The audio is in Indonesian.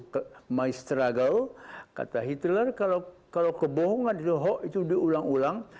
kalau kita lagi berjuang kalau hitler kalau kebohongan itu diulang ulang